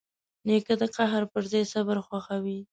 نیکه د قهر پر ځای صبر خوښوي.